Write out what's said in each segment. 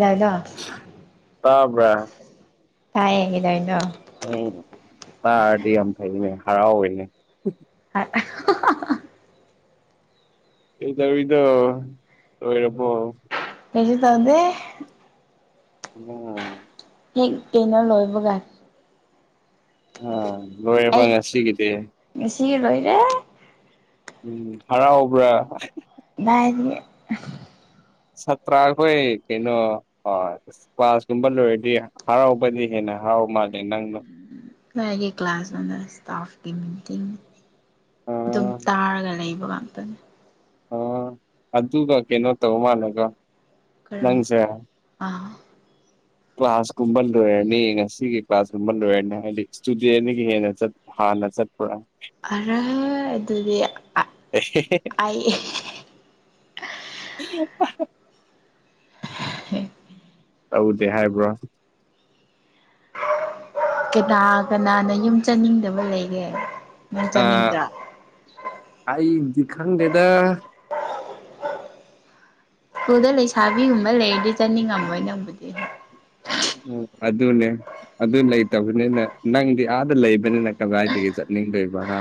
ꯌꯥꯏꯗ ꯇꯥꯕ꯭ꯔ ꯇꯥꯏꯌꯦ ꯀꯩꯗꯧꯔꯤꯅꯣ ꯎꯝ ꯇꯥꯔꯗꯤ ꯌꯥꯝ ꯐꯩꯅꯦ ꯍꯔꯥꯎꯋꯦꯅꯦ [unintelligible] ꯊꯩꯗꯧꯔꯤꯅꯣ ꯂꯣꯏꯔꯕꯣ ꯀꯩꯁꯨ ꯇꯧꯗꯦ ꯑꯣ ꯍꯦꯛ ꯀꯩꯅꯣ ꯂꯣꯏꯕꯒꯥ ꯑꯥ ꯂꯣꯏꯔꯕ ꯉꯁꯤꯒꯤꯗꯤ ꯉꯁꯤꯒꯤ ꯂꯣꯏꯔꯦ ꯎꯝ ꯍꯔꯥꯎꯕ꯭ꯔꯥ [unintelligible] ꯁꯥꯇ꯭ꯔ ꯑꯩꯈꯣꯏ ꯀꯩꯅꯣ ꯀ꯭ꯂꯥꯁꯀꯨꯝꯕ ꯂꯣꯏꯔꯗꯤ ꯍꯔꯥꯎꯕꯗꯤ ꯍꯦꯟꯅ ꯍꯥꯔꯥꯎ ꯃꯜꯂꯦ ꯅꯪꯗꯣ ꯀꯅꯥꯒꯤ ꯀ꯭ꯂꯥꯁ ꯅꯣꯗ ꯏꯁꯇꯥꯐꯀꯤ ꯃꯤꯇꯤꯡꯅꯦ ꯑꯗꯨꯝ ꯑꯥ ꯇꯥꯔꯒ ꯂꯩꯕ ꯉꯥꯛꯇꯅꯦ ꯑꯣ ꯑꯗꯨꯒ ꯀꯩꯅꯣ ꯇꯧ ꯃꯥꯜꯂꯦꯀꯣ ꯀꯔꯝ ꯑꯥ ꯀ꯭ꯂꯥꯁ ꯀꯨꯝꯕ ꯂꯣꯏꯔꯅꯤ ꯉꯁꯤꯒꯤ ꯀ꯭ꯂꯥꯁꯀꯨꯝꯕ ꯂꯣꯏꯔꯅꯤ ꯍꯥꯏꯗꯤ ꯏꯁꯇꯨꯗꯦꯒꯤ ꯍꯦꯟꯅ ꯆꯠꯄ ꯍꯟꯅ ꯆꯠꯄ ꯑꯔꯥ ꯑꯗꯨꯗꯤ ꯑꯦ ꯍꯦ ꯑꯩ ꯍꯦ ꯇꯧꯗꯦ ꯍꯥꯏꯕ꯭ꯔꯣ ꯀꯅꯥ ꯀꯅꯥꯅ ꯌꯨꯝ ꯆꯠꯅꯤꯡꯗꯕ ꯂꯩꯒꯦ ꯅꯪ ꯑꯥ ꯆꯠꯅꯤꯡꯗ꯭ꯔꯥ ꯑꯩꯗꯤ ꯈꯪꯗꯦꯗ ꯁ꯭ꯀꯨꯜ ꯂꯩꯁꯥꯕꯤꯒꯨꯝꯕ ꯂꯩꯔꯗꯤ ꯆꯠꯅꯤꯡꯉꯝꯃꯣꯏ ꯅꯪꯕꯨꯗꯤ ꯑꯗꯨꯅꯦ ꯑꯗꯨ ꯂꯩꯇꯕꯅꯤꯅ ꯅꯪꯗꯤ ꯑꯥꯗ ꯂꯩꯕꯅꯤꯅ ꯀꯗꯥꯏꯗꯒꯤ ꯆꯠ ꯅꯤꯡꯗꯣꯏꯕ ꯍꯥ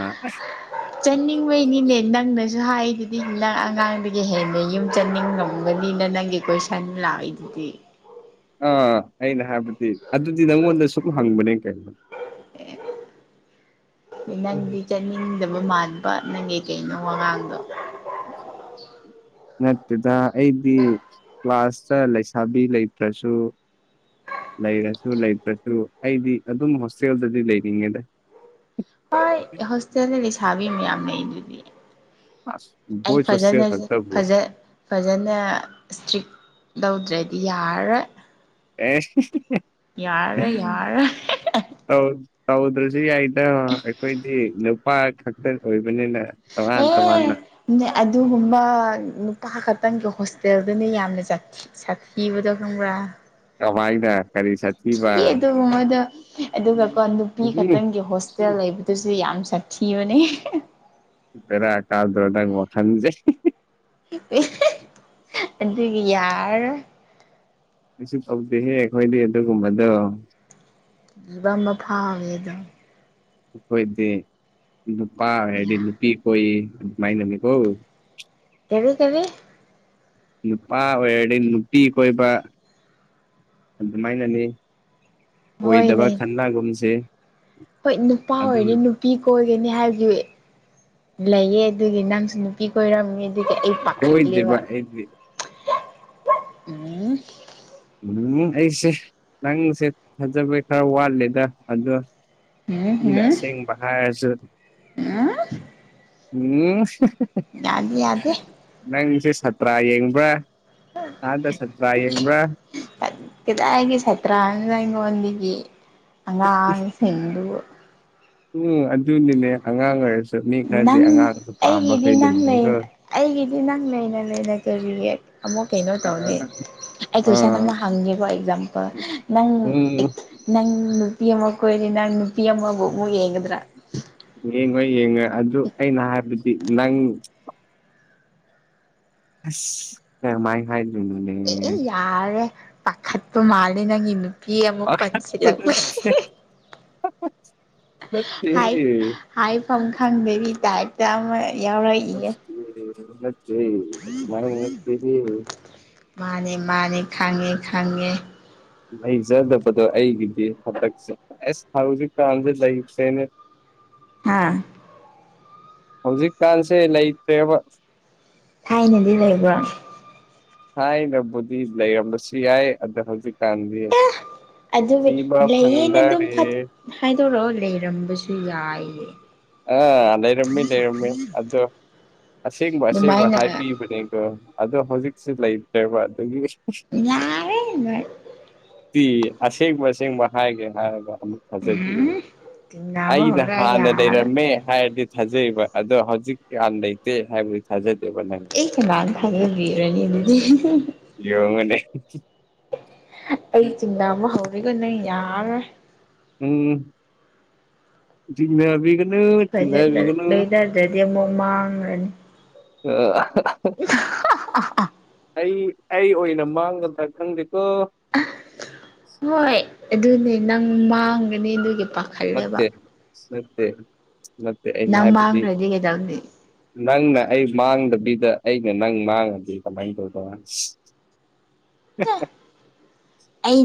ꯆꯠꯅꯤꯡꯕꯩꯅꯤꯅꯦ ꯅꯪꯅ ꯁꯨ ꯍꯥꯏꯗꯨꯗꯤ ꯅꯪ ꯑꯉꯥꯡꯗꯒꯤ ꯍꯦꯟꯅ ꯌꯨꯝ ꯆꯠꯅꯤꯡꯉꯝꯒꯅꯤꯅ ꯅꯪꯒꯤ ꯀꯣꯏꯁꯟ ꯂꯥꯛꯏꯗꯨ ꯗꯤ ꯑꯥ ꯑꯩꯅ ꯍꯥꯏꯕꯗꯤ ꯑꯗꯨꯗꯤ ꯅꯪꯉꯣꯟꯗ ꯁꯨꯝ ꯍꯪꯕꯅꯦ ꯀꯩꯅꯣ ꯑꯦ ꯅꯪꯗꯤ ꯆꯠꯅꯤꯡꯗꯕ ꯃꯥꯟ ꯕꯥ ꯅꯪꯒꯤ ꯀꯩꯅꯣ ꯋꯥꯉꯥꯡꯗꯣ ꯅꯠꯇꯦꯗ ꯑꯩꯗꯤ ꯀ꯭ꯂꯥꯁꯇ ꯂꯩꯁꯥꯕꯤ ꯂꯩꯇ꯭ꯔꯁꯨ ꯂꯩꯔꯁꯨ ꯂꯩꯇ꯭ꯔꯁꯨ ꯑꯩꯗꯤ ꯑꯗꯨꯝ ꯍꯣꯁꯇꯦꯜꯗꯗꯤ ꯂꯩꯅꯤꯡꯉꯦꯗ ꯍꯣꯏ ꯍꯣꯁꯇꯦꯜꯗ ꯂꯩꯁꯕꯤ ꯃꯌꯥꯝ ꯂꯩꯗꯨꯗꯤ [inaudible] ꯑꯩ ꯍꯣꯁꯇꯦꯜ ꯐꯖꯅ ꯈꯛꯇꯕꯨ ꯐꯖ ꯐꯖꯅ ꯁꯇ꯭ꯔꯤꯛ ꯂꯧꯗ꯭ꯔꯦ ꯌꯥꯔꯔꯣꯏ [unintelligible] ꯌꯥꯔꯔꯣꯏ ꯌꯥꯔꯔꯣꯏ ꯇꯧꯗ꯭ꯔꯁꯨ ꯌꯥꯏꯗ ꯑꯩꯈꯣꯏꯗꯤ ꯅꯨꯄꯥ ꯈꯛꯇ ꯑꯣꯏꯕꯅꯤꯅ ꯇꯣꯉꯥꯟ ꯑꯦ ꯇꯣꯉꯥꯟꯅ ꯑꯗꯨꯒꯨꯝꯕ ꯅꯨꯄꯥ ꯈꯛ ꯇꯪꯒꯤ ꯍꯣꯁꯇꯦꯜꯗꯨꯅ ꯌꯥꯝꯅ ꯁꯥꯊꯤ ꯁꯥꯊꯤꯕꯗꯣ ꯈꯪꯕ꯭ꯔꯥ ꯀꯃꯥꯏꯅ ꯀꯔꯤ ꯁꯥꯊꯤꯕ ꯊꯤꯑꯦ ꯑꯗꯨꯒꯨꯝꯕꯗꯣ ꯑꯗꯨꯒꯀꯣ ꯎꯝ ꯅꯨꯄꯤ ꯎꯝ ꯈꯛꯇꯪꯒꯤ ꯍꯣꯁꯇꯦꯜ ꯂꯩꯕ ꯑꯗꯨꯁꯨ ꯌꯥꯝ ꯁꯥꯊꯤꯕꯅꯦ ꯕꯦꯔꯥ ꯀꯥꯗ꯭ꯔꯣ ꯅꯪ ꯋꯥꯈꯟꯖꯦ [unintelligible] ꯑꯗꯨꯕꯒꯤ ꯌꯥꯔꯥꯔꯣꯏ ꯀꯩꯁꯨ ꯇꯧꯗꯦꯍꯦ ꯑꯩꯈꯣꯏꯗꯤ ꯑꯗꯨꯒꯨꯝꯕꯗꯣ ꯀꯤꯕ ꯑꯃ ꯐꯥꯎꯋꯦꯗꯣ ꯑꯩꯈꯣꯏꯗꯤ ꯅꯨꯄꯥ ꯑꯣꯏꯔꯗꯤ ꯌꯥ ꯅꯨꯄꯤ ꯀꯣꯏꯌꯦ [unintelligible] [unintelligible] ꯅꯨꯄꯥ ꯑꯣꯏꯔꯗꯤ ꯅꯨꯄꯤ ꯀꯣꯏꯕ ꯑꯗꯨꯃꯥꯏꯅꯅꯤ ꯑꯣꯢꯗꯕ ꯍꯣꯏꯅꯦ ꯈꯟꯅꯒꯨꯨꯝꯁꯤ ꯍꯣꯏ ꯅꯨꯄꯥ ꯑꯣꯏꯔꯗꯤ ꯅꯨꯄꯤ ꯀꯣꯢ [unintelligible] ꯂꯩꯌꯦ ꯑꯗꯨꯒꯤ ꯅꯪꯁꯨ ꯅꯨꯄꯤ ꯀꯣꯏꯔꯝ [unintelligible] ꯑꯗꯨꯒꯤ ꯑꯩ ꯄꯥꯈꯠ ꯂꯦꯕ ꯀꯣꯏꯗꯦꯕ ꯑꯩꯗꯤ [unintelligible] ꯎꯝ ꯎꯝ ꯑꯩꯁꯦ ꯅꯪꯁꯦ ꯊꯥꯖꯕꯩ ꯈꯔ ꯋꯥꯠꯂꯦꯗ ꯑꯗꯣ ꯎꯝ ꯃꯤꯅ ꯎꯝ ꯑꯁꯦꯡꯕ ꯍꯔꯁꯨ ꯎꯝ ꯎꯝ ꯂꯥꯟ ꯌꯥꯗꯦ ꯅꯪꯁꯦ ꯁꯥꯇ꯭ꯔꯥ ꯌꯦꯡꯕ꯭ꯔꯥ ꯑꯥꯗ ꯁꯥꯇ꯭ꯔꯥ ꯌꯦꯡꯕ꯭ꯔꯥ ꯀꯗꯥꯏꯗꯒꯤ ꯁꯥꯠꯇ꯭ꯔꯥꯅꯣꯗꯥ ꯑꯩꯉꯣꯟꯗꯒꯤ ꯑꯉꯥꯡꯁꯤꯡꯗꯨꯕꯨ ꯎꯝ ꯑꯗꯨꯅꯤꯅꯦ ꯑꯉꯥꯡ ꯑꯣꯢꯔꯁ ꯅꯪ ꯑꯩꯒꯤꯗꯤ ꯅꯪ ꯂꯩ ꯂꯩꯕꯅꯤꯀꯣ ꯑꯩꯒꯤꯗꯤ ꯅꯪ ꯂꯩꯅ ꯂꯩꯅ ꯀꯔꯤꯒꯤ ꯑꯃꯨꯛ ꯀꯩꯅꯣ ꯇꯧꯅꯤ ꯑꯦ ꯀꯣꯢꯁꯟ ꯑꯥ ꯑꯃ ꯍꯪꯉꯦ ꯀꯣ ꯑꯦꯛꯖꯥꯝꯄꯜ ꯅꯪ ꯎꯝ ꯅꯪ ꯅꯨꯄꯤ ꯑꯃ ꯀꯣꯢꯔꯦ ꯅꯪ ꯅꯨꯄꯤ ꯑꯃ ꯑꯃꯨꯛ ꯌꯦꯡꯒꯗ꯭ꯔꯥ ꯌꯦꯡꯉꯣꯏ ꯌꯦꯡꯉꯣꯏ ꯑꯗꯨ ꯑꯩꯅ ꯍꯥꯏꯕꯗꯤ ꯅꯪ ꯑꯁ ꯀꯃꯥꯏ ꯍꯥꯏꯅꯤ ꯑꯦ ꯌꯥꯔꯦ ꯄꯥꯈꯠ ꯄ ꯃꯥꯜꯂꯦ ꯅꯪꯒꯤ ꯅꯨꯄꯤ ꯄꯤ ꯑꯃꯨꯛ ꯄꯥꯠꯁꯤꯂꯥꯛꯄꯁꯤ ꯍꯦ ꯍꯦ ꯅꯠꯇꯦ ꯍꯦ ꯍꯥꯏꯐꯝ ꯈꯪꯗꯕꯩ ꯇꯥꯞꯇ ꯑꯃ ꯌꯥꯎꯔꯛ ꯏꯌꯦ ꯅꯠꯇꯦ ꯅꯠꯇꯦ ꯑꯗꯨꯃꯥꯏꯅ ꯅꯠꯇꯦꯍꯦ ꯃꯥꯅꯦ ꯃꯥꯅꯦ ꯈꯪꯉꯦ ꯈꯪꯉꯦ ꯂꯩꯖꯗꯕꯗꯣ ꯑꯩꯒꯤꯗꯤ ꯍꯇꯛꯁꯦ ꯑꯁ ꯍꯧꯖꯤꯛꯀꯥꯟꯗꯤ ꯂꯩꯇꯦꯅꯦ [inaudible] ꯑꯥ ꯍꯧꯖꯤꯛꯀꯥꯟꯁꯦ ꯂꯩꯇ꯭ꯔꯦꯕ ꯊꯥꯏꯅꯗꯤ ꯂꯩꯕ꯭ꯔꯣ ꯊꯥꯢꯅꯕꯨꯗꯤ ꯂꯩꯔꯝꯕꯁꯨ ꯌꯥꯏ ꯑꯗ ꯍꯧꯖꯤꯛ ꯀꯟꯗꯤ ꯑꯗꯨꯒꯤ ꯊꯤꯕ ꯐꯪꯗꯔꯦ ꯇꯣꯔꯣ ꯂꯩꯔꯝꯕꯁꯨ ꯌꯥꯏꯌꯦ ꯑꯥ ꯂꯩꯔꯝꯃꯤ ꯂꯩꯔꯝꯃꯤ ꯑꯗꯣ ꯑꯁꯦꯡꯕ ꯑꯁꯦꯡꯕ ꯑꯗꯨꯃꯥꯏꯅ ꯍꯥꯏꯕꯤꯕꯅꯦꯀꯣ ꯑꯗꯣ ꯍꯧꯖꯤꯛꯁꯤ ꯂꯩꯇ꯭ꯔꯦꯕ ꯑꯗꯨꯒꯤ ꯌꯥꯔꯦ ꯑꯗꯨꯒꯤꯗꯤ ꯑꯁꯦꯡꯕ ꯑꯁꯦꯡꯕ ꯍꯥꯏꯒꯦ ꯍꯥꯏꯔꯒ ꯑꯃꯨꯛ ꯎꯝ ꯊꯥꯖꯕꯤꯌꯨ ꯆꯤꯡꯅꯕ ꯑꯩꯅ ꯍꯧꯔ ꯍꯥꯟꯅ ꯌꯥꯔ ꯂꯩꯔꯝꯃꯦ ꯍꯥꯏꯔꯗꯤ ꯊꯥꯖꯩꯌꯦꯕ ꯑꯗꯣ ꯍꯧꯖꯤꯛ ꯀꯌꯥꯝ ꯂꯩꯇꯦ ꯍꯥꯏꯕꯗꯤ ꯊꯥꯖꯗꯦ ꯑꯦ ꯀꯅꯅꯥ ꯊꯖꯒꯅꯤ ꯑꯘꯨꯗꯤ ꯌꯦꯡꯉꯨꯅꯦ ꯑꯩ ꯆꯤꯡꯅꯕ ꯍꯧꯔꯦꯀꯣ ꯅꯪ ꯌꯝꯅ ꯎꯝ ꯆꯤꯡꯅꯕꯤꯒ ꯐꯖꯗ ꯂꯣꯏꯅꯗ꯭ꯔꯗꯤ ꯑꯃꯨꯛ ꯃꯥꯡꯔꯅꯤ ꯑꯥ ꯍꯥ ꯍꯥ ꯑꯩ ꯑꯩ ꯑꯣꯏꯅ ꯃꯥꯡꯒꯗ꯭ꯔ ꯈꯪꯗꯦ ꯍꯣꯏ ꯑꯗꯨꯅꯦ ꯅꯪ ꯃꯥꯡꯒꯅꯤ ꯑꯗꯨꯒꯤ ꯄꯈꯠꯂꯦꯕ ꯅꯠꯇꯦ ꯅꯠꯇꯦ ꯅꯠꯇꯦ ꯑꯩꯅ ꯍꯥꯏꯕꯗꯤ ꯃꯥꯡꯈ꯭ꯔꯗꯤ ꯀꯩꯗꯧꯅꯤ ꯅꯪꯅ ꯑꯩ ꯃꯥꯡꯗꯕꯤꯗ ꯑꯩꯅ ꯅꯪ ꯃꯥꯡꯉꯗꯤ ꯀꯃꯥꯏꯅ ꯇꯧꯗꯧꯕ ꯍꯦ ꯍꯦ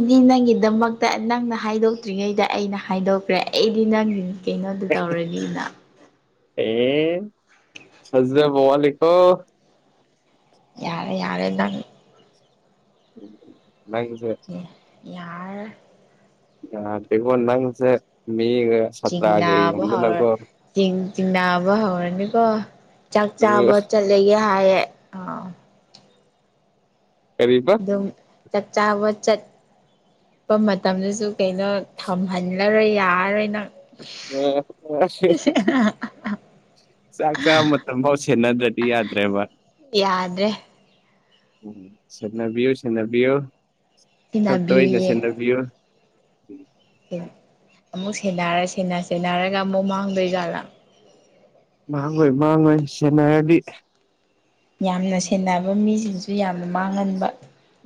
ꯑꯩ ꯅꯪꯒꯤꯗꯃꯛꯇ ꯅꯪꯅ ꯍꯥꯏꯗꯣꯛꯇ꯭ꯔꯤꯉꯩꯗ ꯑꯩꯅ ꯍꯥꯏꯗꯣꯛꯈ꯭ꯔꯦ ꯑꯩꯗꯤ ꯅꯪꯒꯤꯅꯤ ꯀꯩꯅꯣꯗꯨ ꯇꯧꯔꯅꯤꯅ ꯑꯦ ꯊꯖꯕ ꯋꯥꯠꯂꯦꯀꯣ ꯌꯥꯔꯦ ꯌꯥꯔꯦ ꯅꯪ ꯅꯪꯖꯦ ꯌꯥꯔ ꯌꯦꯗꯦꯀꯣ ꯅꯪꯁꯦ ꯃꯤꯒ ꯁꯥꯇ꯭ꯔꯥꯒ ꯆꯤꯡꯅꯥꯕ ꯍꯧꯔ ꯌꯦꯡꯉꯝꯗꯅꯀꯣ ꯆꯤꯡ ꯆꯤꯡꯅꯥꯕ ꯍꯧꯔꯅꯤꯀꯣ ꯆꯥꯛ ꯆꯥꯕ ꯆꯠꯂꯒꯦ ꯍꯥꯏꯌꯦ ꯑꯥꯎ ꯀꯔꯤꯕ ꯑꯗꯨꯝ ꯆꯥꯛ ꯆꯥꯕ ꯆꯠ ꯄ ꯃꯇꯝꯗꯁꯨ ꯀꯩꯅꯣ ꯊꯝꯍꯜꯂꯔꯣꯏ ꯌꯥꯔꯔꯣꯏ ꯅꯪ [unintelligible] ꯆꯥꯛ ꯆꯥꯕ ꯃꯇꯝ ꯐꯥꯎ ꯁꯦꯟꯅꯗ꯭ꯔꯗꯤ ꯌꯥꯗ꯭ꯔꯦꯕ ꯌꯥꯗ꯭ꯔꯦ ꯎꯝ ꯁꯦꯟꯅꯕꯤꯌꯣ ꯁꯦꯟꯅꯕꯤꯌꯣ ꯈ ꯇꯣꯏꯅ ꯁꯦꯟꯅꯕꯤꯌꯨꯌꯦ ꯁꯦꯟꯅꯕꯤꯌꯣ [inaudible] ꯑꯦ ꯑꯃꯨꯛ ꯁꯦꯟꯅꯔ ꯁꯦꯅ ꯁꯦꯟꯅꯔꯒ ꯑꯃꯨꯛ ꯃꯥꯡꯗꯣꯏꯖꯥꯠꯂꯥ ꯃꯥꯡꯉꯣꯏ ꯃꯥꯡꯉꯣꯏ ꯁꯦꯟꯅꯔꯗꯤ ꯌꯥꯝꯅ ꯁꯦꯟꯅꯕ ꯃꯤꯖꯤꯡꯖꯨ ꯌꯥꯝꯅ ꯃꯥꯡꯉꯟꯕ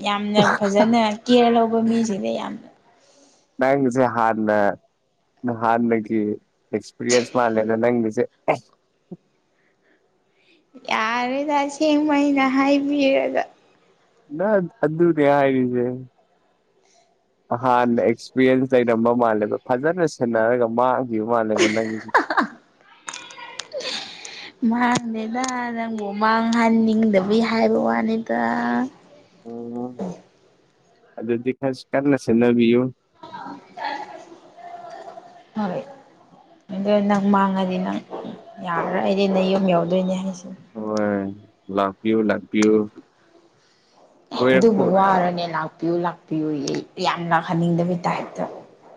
ꯌꯥꯝꯅ ꯐꯖꯅ ꯀꯦꯌꯔ ꯂꯧꯕ ꯃꯤꯁꯤꯡꯗꯤ ꯌꯥꯝꯅ ꯅꯪꯖꯦ ꯍꯥꯟꯅ ꯅꯍꯥꯟꯗꯒꯤ ꯑꯦꯛꯁꯄꯤꯔꯤꯌꯦꯟꯁ ꯃꯥꯜꯂꯦꯗ ꯅꯪꯒꯤꯖꯦ ꯑꯁ [inaudible] ꯌꯥꯔꯦꯗ ꯑꯁꯦꯡꯕꯩ ꯑꯩꯅ ꯍꯥꯏꯕꯤꯔꯒ ꯅꯠ ꯑꯗꯨꯅꯦ ꯍꯥꯏꯔꯤꯖꯦ ꯑꯍꯥꯟꯅ ꯑꯦꯛꯁꯄꯤꯔꯤꯌꯦꯟꯁ ꯂꯩꯔꯝꯕ ꯃꯥꯜꯂꯦꯕ ꯐꯖꯅ ꯁꯦꯟꯅꯔꯒ ꯃꯥꯡ ꯒꯤꯕ ꯃꯥꯥꯜꯂꯦꯕ ꯅꯪꯖꯤ ꯃꯥꯥꯡꯗꯦꯗ ꯅꯪꯕꯨ ꯃꯥꯡꯍꯟꯅꯤꯡꯗꯕꯩ ꯍꯥꯏꯕ ꯋꯥꯅꯤꯗ ꯑꯣ ꯑꯗꯨꯗꯤ ꯈꯥꯁ ꯀꯟꯅ ꯁꯦꯟꯅꯕꯤꯌꯨ [inaudible] [unintelligible] ꯑꯗꯨ ꯅꯪ ꯃꯥꯡꯉꯗꯤ ꯅꯪ ꯌꯥꯔꯔꯣꯢ ꯑꯩꯗꯤ ꯅꯌꯨꯝ ꯌꯧꯗꯨꯏꯅꯦ ꯍꯥꯏꯁꯦ ꯍꯣꯏ ꯂꯥꯛꯄꯤꯌꯨ ꯂꯥꯛꯄꯤꯌꯨ ꯀꯣꯏꯔꯛꯄ ꯑꯗꯨꯕꯨ ꯋꯥꯔꯅꯦ ꯂꯥꯛꯄꯤꯌꯨ ꯂꯥꯛꯄꯤꯌꯨ ꯌꯦ ꯌꯥꯝ ꯂꯥꯛꯍꯟꯅꯤꯡꯗꯕꯩ ꯇꯥꯏꯞꯇ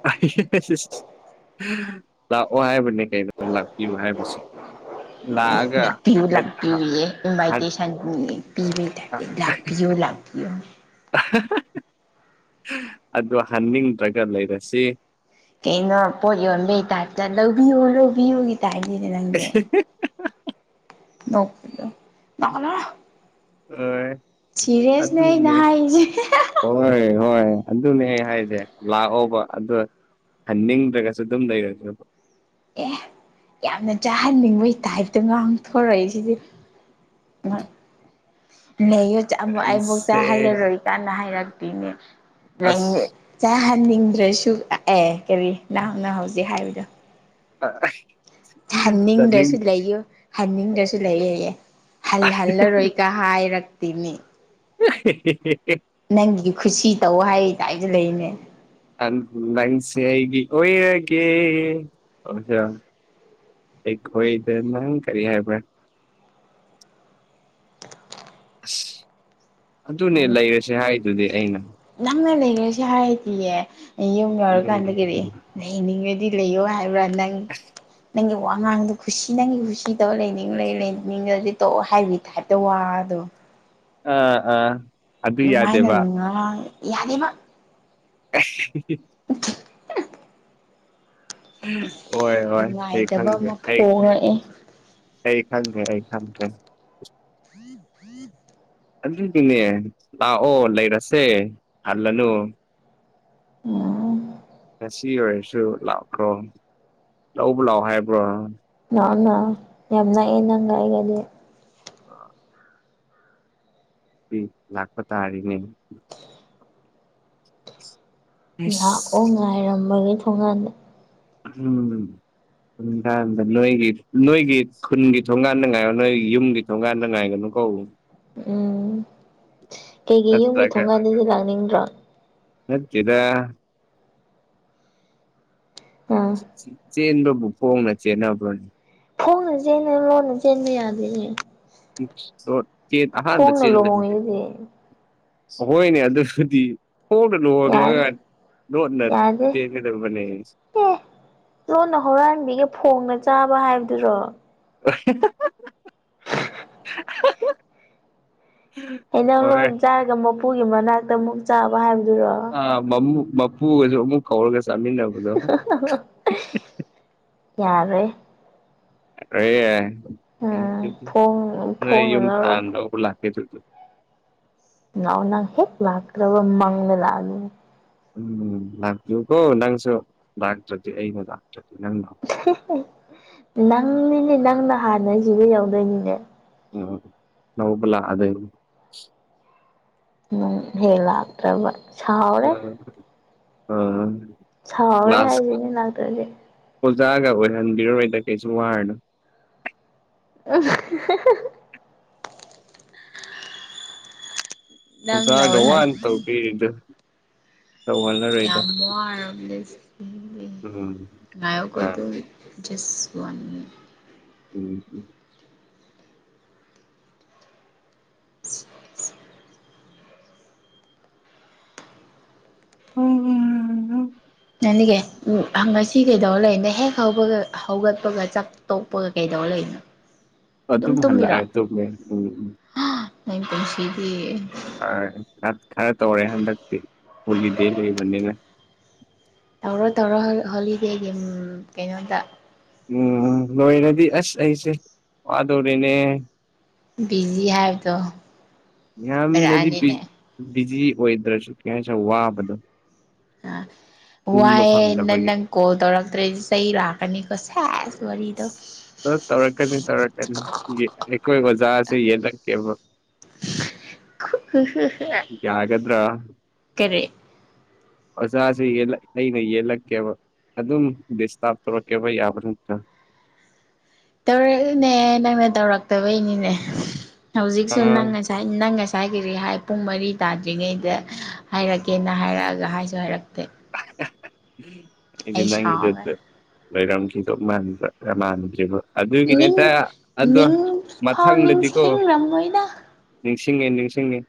[unintelligible] ꯂꯥꯛꯑꯣ ꯍꯥꯏꯕꯅꯦ ꯀꯩꯅꯣ ꯂꯥꯛꯄꯤꯔꯨ ꯍꯥꯏꯕꯁꯤ ꯂꯥꯛꯄꯤꯌꯨ ꯂꯥꯛꯄꯤꯌꯨꯌꯦ ꯍꯟ ꯏꯟꯚꯥꯏꯇꯦꯁꯟ ꯅꯦ ꯄꯤꯕꯩ ꯇꯥꯢꯞꯇ ꯂꯥꯛꯄꯤꯌꯣ ꯂꯥꯛꯄꯤꯌꯣꯅꯦ ꯑꯗꯣ ꯍꯟꯅꯤꯡꯗ꯭ꯔꯒ ꯂꯩꯔꯁꯤ ꯀꯩꯅꯣ ꯄꯣꯠ ꯌꯣꯟꯕꯩ ꯇꯥꯏꯞꯇ ꯂꯧꯕꯤꯌꯣ ꯂꯧꯕꯤꯌꯣꯒꯤ [unintelligible] ꯑꯣꯏ ꯑꯗꯨꯅꯦ ꯍꯥꯏꯔꯤꯁꯦ ꯍꯣꯏ ꯍꯣꯏ ꯑꯗꯨꯅꯦ ꯑꯩ ꯍꯥꯏꯖꯦ ꯂꯥꯛꯑꯣꯕ ꯑꯗꯨ ꯍꯟꯅꯤꯡꯗ꯭ꯔꯒꯁꯨ ꯑꯗꯨꯝ ꯂꯩꯔꯁꯦꯕ ꯑꯦ ꯌꯥꯝꯅ ꯆꯥꯍꯟꯅꯤꯡꯕꯩ ꯇꯥꯏꯞꯇ ꯉꯥꯡꯊꯣꯔꯛꯏꯁꯤꯗꯤ [unintelligible] ꯅꯩꯌꯨ ꯆ ꯑꯃꯨꯛ ꯑꯩ ꯃꯨꯛ ꯅꯪꯁꯦ ꯆꯥꯍꯜꯂꯔꯣꯏ ꯀꯥꯅ ꯍꯥꯏꯔꯛꯇꯤꯅꯦ ꯂꯩ ꯑꯁ ꯆꯥꯍꯟꯅꯤꯡꯗ꯭ꯔꯁꯨ ꯑ ꯑꯦ ꯀꯔꯤ ꯅꯪꯅ ꯍꯧꯖꯤꯛ ꯍꯥꯏꯕꯗꯣ ꯑ ꯑꯁ ꯍꯟꯅꯤꯡꯗ꯭ꯔꯁꯨ ꯂꯩꯌꯨ ꯍꯟꯅꯤꯡꯗ꯭ꯔꯁꯨ ꯂꯩꯌꯦꯌꯦ ꯍꯜꯍꯜꯂꯔꯣꯏ ꯀꯥ ꯍꯥꯏꯔꯛꯇꯦꯃꯦ [unintelligible] ꯈꯨꯁꯤ ꯇꯧ ꯍꯥꯏ ꯗꯥꯏꯗ ꯂꯩꯌꯦꯅꯦ ꯑꯟ ꯅꯪꯁꯦ ꯑꯩꯒꯤ ꯑꯣꯏꯔꯒꯦ ꯑꯣꯏꯖꯔꯣ ꯑꯩꯈꯣꯏꯗ ꯅꯪ ꯀꯔꯤ ꯍꯥꯏꯕ꯭ꯔꯥ ꯑꯁ ꯑꯗꯨꯅꯦ ꯅꯪ ꯂꯩꯔꯁꯦ ꯍꯥꯏꯗꯨꯗꯤ ꯑꯩꯅ ꯅꯪꯅ ꯂꯩꯔꯁꯤ ꯍꯥꯏꯗꯤꯌꯦ ꯑꯩ ꯌꯨꯝ ꯎꯝ ꯌꯧꯔꯀꯥꯟꯗ ꯀꯩꯔꯤ ꯂꯩꯅꯤꯡꯔꯗꯤ ꯂꯩꯌꯣ ꯍꯥꯏꯕ꯭ꯔꯥ ꯅꯪ ꯅꯪꯒꯤ ꯋꯥꯉꯥꯡꯗꯣ ꯈꯨꯁꯤ ꯅꯪꯒꯤ ꯈꯨꯁꯤ ꯇꯧꯔ ꯂꯩꯅꯤꯡ ꯂꯩ ꯂꯩꯅꯤꯡꯗꯗꯤ ꯇꯣꯛꯑꯣ ꯍꯥꯏꯕꯤ ꯇꯥꯏꯞꯇ ꯋꯥꯗꯣ ꯑ ꯑ ꯑꯗꯨꯃꯥꯏꯅ ꯉꯥꯡ ꯌꯥꯔꯦꯕ ꯑꯩꯁ ꯍꯤ ꯍꯤ [unintelligible] ꯍꯣꯏ ꯍꯣꯏ ꯑꯩ ꯅꯨꯡꯉꯥꯏꯇꯕ ꯈꯪꯗ꯭ꯔꯦ ꯑꯃ ꯑꯩ ꯐꯣꯡꯔꯛꯑꯦ ꯑꯩ ꯈꯪꯒꯦ ꯑꯩ ꯈꯪꯗ꯭ꯔꯦ [inaudible] ꯑꯗꯨꯗꯨꯅꯦ ꯂꯥꯛꯑꯣ ꯂꯩꯔꯁꯦ ꯍꯜꯂꯅꯨ ꯎꯝ ꯉꯁꯤ ꯑꯣꯏꯔꯁꯨ ꯂꯥꯛꯈ꯭ꯔꯣ ꯂꯧꯕ ꯂꯥꯛꯑꯣ ꯍꯥꯏꯕ꯭ꯔꯣ ꯂꯥꯛꯑꯣ ꯂꯥꯛꯑꯣ ꯌꯥꯝ ꯅꯛꯑꯦ ꯅꯪꯒ ꯑꯩꯏꯒꯗꯤ ꯑꯥ ꯂꯥꯛꯄ ꯇꯔꯤꯅꯦ ꯂꯥꯛꯑꯣ ꯑꯁ ꯉꯥꯏꯔꯝꯕꯒꯤ ꯊꯣꯡꯒꯥꯟꯗ ꯎꯝ ꯅꯨꯡꯗꯥꯡꯗ ꯅꯣꯏꯒꯤ ꯅꯣꯏꯒꯤ ꯈꯨꯟꯒꯤ ꯊꯣꯡꯒꯥꯟꯗ ꯉꯥꯏ ꯅꯣꯏ ꯌꯨꯝꯒꯤ ꯊꯣꯡꯒꯥꯟꯗ ꯉꯥꯏꯒꯅꯨ ꯀꯧ ꯎꯝ ꯀꯩꯒꯤ ꯌꯨꯝꯒꯤ ꯅꯠꯇ꯭ꯔꯒ ꯊꯣꯡꯀꯥꯟꯗꯗꯤ ꯂꯥꯛꯅꯤꯡꯗ꯭ꯔꯣ ꯅꯠꯇꯦꯗ ꯎꯝ ꯆꯦꯟꯕꯕꯨ ꯐꯣꯡꯅ ꯆꯦꯟꯅꯕ꯭ꯔꯣꯅꯤ ꯐꯣꯡꯅ ꯆꯦꯟꯅ ꯂꯣꯟꯅ ꯆꯦꯟꯕ ꯌꯥꯗꯦꯅꯦ [unintelligible] ꯆꯦ ꯑꯍꯥꯟꯕ ꯈꯣꯡꯅ ꯆꯦꯟꯕꯗꯨꯗꯤ ꯂꯨꯍꯣꯡꯉꯤꯗꯨꯗꯤ ꯍꯣꯏꯅꯦ ꯑꯗꯨꯕꯨꯗꯤ ꯐꯣꯡꯅ ꯌꯥꯔꯦ ꯂꯨꯍꯣꯡꯉꯒ ꯂꯣꯠꯅ ꯌꯥꯗꯦ ꯆꯦꯟꯒꯗꯕꯅꯦ ꯑꯦ ꯂꯣꯟꯅ ꯍꯧꯔꯥꯟꯕꯤꯒꯦ ꯐꯣꯡꯅ ꯆꯥꯕ ꯍꯥꯏꯕꯗꯨꯔꯣ ꯑꯍꯥ ꯍꯥ ꯍꯥ ꯍꯥ ꯅꯪ ꯂꯣꯟ ꯆꯥꯔꯒ ꯃꯄꯨꯒꯤ ꯃꯅꯥꯛꯇ ꯑꯃꯨꯛ ꯆꯥꯕ ꯍꯥꯏꯕ ꯑ ꯃ ꯃꯄꯨꯒ ꯑꯃꯨꯛ ꯀꯧꯔꯒ ꯆꯃꯤꯅꯕꯗꯣ ꯌꯥꯔꯦ ꯌꯥꯔꯦ ꯎꯝ ꯐꯣꯡ ꯅꯣꯏ ꯐꯣꯡꯅ ꯌꯨꯝ ꯂꯧꯔ ꯄꯥꯟꯗꯧꯕꯔꯥ [unintelligible] ꯂꯥꯎꯅ ꯍꯦꯛ ꯂꯥꯛꯇ꯭ꯔꯕ ꯃꯡꯗ ꯂꯥꯛꯍꯟꯒꯅꯤ ꯎꯝ ꯂꯥꯀꯄꯤꯌꯣꯀꯣ ꯅꯪꯁꯨ ꯂꯥꯛꯇꯔꯗꯤ ꯑꯩꯅꯥ ꯂꯥꯛ ꯍꯦꯍꯦꯍꯦ ꯅꯪꯅꯤꯅꯦ ꯅꯪꯅ ꯍꯥꯟꯅ ꯁꯤꯗ ꯌꯧꯗꯣꯏꯅꯤꯅꯦ ꯎꯝ ꯂꯧꯕ ꯂꯥꯛꯑꯗꯣꯏꯅꯦ ꯅꯪ ꯍꯦꯛ ꯂꯥꯛꯇ꯭ꯔꯕ ꯁꯥꯎꯔꯦ ꯎꯝ ꯑꯥ ꯁꯥꯎꯔꯦ ꯍꯥꯏꯁꯤꯅꯦ ꯂꯥꯛꯇꯔꯗꯤ ꯑꯣꯏ ꯍꯟꯕꯤꯔꯣꯏꯗ ꯀꯩꯁꯨ ꯋꯥꯔꯨꯅꯣ ꯑꯍꯥ ꯍꯥ ꯍꯥ ꯅꯪꯅ ꯑꯣꯖꯥꯒ ꯑꯣꯏꯍꯟ ꯋꯥꯅ ꯇꯧꯄꯤꯔꯤꯗꯨ ꯌꯥꯝ ꯋꯥꯔꯝꯅꯦ ꯑꯩꯁꯦ ꯎꯝ ꯉꯥꯏꯌꯨꯀꯣ ꯑꯥ ꯑꯗꯨꯝ ꯖꯁ ꯋꯥꯅ ꯃꯤꯅꯤꯠ ꯎꯝ ꯎꯝ [inaudible] ꯎꯝ ꯎꯝ ꯎꯝ ꯉꯁꯤ ꯀꯩꯗꯧꯔꯒꯥ ꯂꯩꯒꯦ ꯍꯦꯛ ꯍꯧꯕ ꯍꯧꯒꯠꯄꯒꯥ ꯆꯥꯛ ꯇꯣꯛꯄꯒ ꯀꯩꯗꯧ ꯂꯩꯅꯣ ꯑꯗꯨꯝ ꯇꯨꯝꯃꯤꯔꯣ ꯍꯜꯂꯛꯑꯦ ꯇꯨꯝꯃꯦ ꯎꯝ ꯎꯝ ꯍꯝ ꯑꯩ ꯄꯨꯟꯁꯤꯗꯤ ꯑꯥ ꯈꯔ ꯇꯧꯔꯦ ꯍꯟꯗꯛꯇꯤ ꯍꯣꯂꯤꯗꯦ ꯂꯩꯕꯅꯤꯅ ꯇꯧꯔꯣ ꯇꯧꯔꯣ ꯍꯣꯂꯤꯗꯦꯒꯤ ꯍꯝ ꯀꯩꯅꯣꯗ ꯎꯝ ꯂꯣꯏꯔꯗꯤ ꯑꯁ ꯑꯩꯁꯦ ꯋꯥꯗꯣꯔꯤꯅꯦ ꯑꯝ ꯕꯤꯖꯤ ꯍꯥꯏꯕꯗꯣ ꯌꯥꯝꯅꯗꯤ ꯕꯤ ꯑꯣꯏꯔꯛꯑꯅꯤꯅꯦ ꯕꯤꯖꯤ ꯑꯣꯏꯗ꯭ꯔꯁꯨ ꯀꯦꯍꯥꯏꯁꯤꯔꯥ ꯋꯥꯕꯗꯣ ꯑꯥ ꯇꯨꯝꯕ ꯋꯥꯏꯑꯦ ꯅꯥ ꯐꯪꯗꯕꯒꯤ ꯅꯪ ꯀꯣꯜ ꯇꯧꯔꯛꯇ꯭ꯔꯦꯗꯤ ꯆꯩ ꯂꯥꯛꯀꯅꯤꯀꯣ ꯁꯦꯁ ꯋꯥꯔꯤꯗꯣ ꯑꯥ ꯇꯧꯔꯛꯀꯅꯤ ꯇꯧꯔꯛꯀꯅꯤ ꯑꯩꯈꯣꯏ ꯑꯣꯖꯥꯁꯦ ꯌꯦꯜꯂꯛꯀꯦꯕ [inaudible] [inaudible] ꯀꯔꯤ ꯑꯣꯖꯥ ꯁꯦ ꯌꯦꯠꯂꯛ ꯑꯩꯅ ꯌꯦꯠꯂꯛꯀꯦꯕ ꯑꯗꯨꯝ ꯗꯤꯁꯇꯥꯞ ꯇꯧꯔꯛꯀꯦꯕ ꯌꯥꯕꯥ ꯅꯠꯇ꯭ꯔꯥ ꯇꯧꯔꯛꯏꯅꯦ ꯅꯪꯅ ꯇꯧꯔꯛꯇꯕꯩꯅꯤꯅꯦ ꯍꯧꯖꯤꯛꯁꯨ ꯑ ꯅꯪ ꯉꯁꯥꯏ ꯅꯪ ꯉꯁꯥꯏ ꯉꯁꯥꯏ ꯀꯔꯤ ꯍꯥꯏ ꯄꯨꯡ ꯃꯔꯤ ꯇꯥꯗ꯭ꯔꯤꯉꯩꯗ ꯍꯥꯏꯔꯛꯀꯦꯅ ꯍꯥꯏꯔꯛꯑꯒ ꯍꯥꯏꯁꯨ ꯍꯥꯏꯔꯛꯇꯦ ꯑꯩꯗꯤ ꯑꯩ ꯅꯪꯒꯤꯗꯣ ꯁꯥꯎꯔꯦ ꯂꯩꯔꯝꯈꯤꯗꯧ ꯃꯟꯕ ꯑꯥ ꯃꯥꯟꯅꯗ꯭ꯦꯔꯤꯕ ꯅꯤꯡ ꯑꯗꯨꯒꯤꯅꯦꯇ ꯑꯗꯣ ꯅꯤꯡ ꯐꯥꯎ ꯃꯊꯪꯗꯗꯤꯀꯣ ꯅꯤꯡꯁꯤꯡꯔꯝꯃꯣꯏꯗ ꯅꯤꯡꯁꯤꯡꯉꯦ ꯅꯤꯡꯁꯤꯡꯉꯦ